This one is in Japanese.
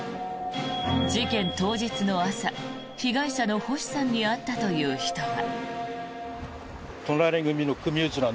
事件当日の朝、被害者の星さんに会ったという人は。